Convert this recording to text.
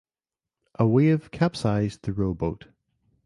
A wave capsized the rowboat.